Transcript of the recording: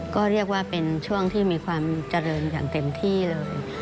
ก็เรียกว่าเป็นช่วงที่มีความเจริญอย่างเต็มที่เลย